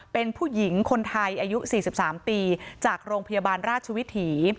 เป็นผู้หญิงคนไทยอายุ๔๓ปีจากโรงพยาบาลราชวิถี